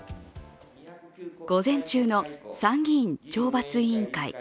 午前中の参議院懲罰委員会。